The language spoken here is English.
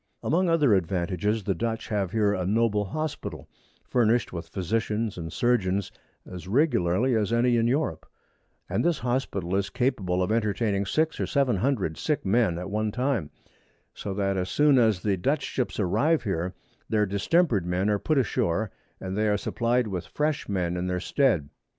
Amongst other Advantages, the Dutch have here a noble Hospital, furnished with Physicians and Surgeons as regularly as any in Europe; and this Hospital is capable of entertaining 6 or 700 sick Men at one time; so that as soon as the Dutch Ships arrive here, their distemper'd Men are put ashore, and they are supplied with fresh Men in their stead.